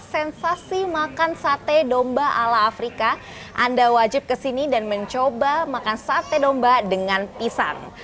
sensasi makan sate domba ala afrika anda wajib kesini dan mencoba makan sate domba dengan pisang